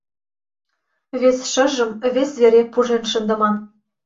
Вес шыжым вес вере пужен шындыман.